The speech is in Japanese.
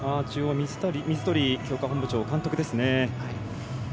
水鳥強化本部長監督ですね。